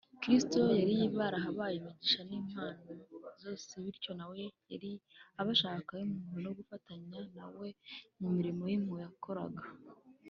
kristo yari barabahaye imigisha n’impano zose, bityo nawe yari abashakaho impuhwe no gufatanya na we mu murimo w’impuhwe yakoraga